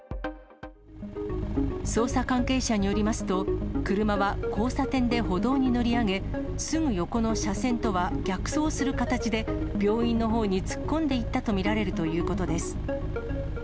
捜査関係者によりますと、車は交差点で歩道に乗り上げ、すぐ横の車線とは逆走する形で、病院のほうに突っ込んでいったと見られるということです。